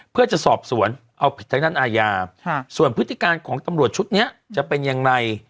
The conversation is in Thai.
เพื่อจะสอบสวนเอาผิดทางด้านอาญาส่วนพฤติการของตำรวจชุดนี้จะเป็นอย่างไร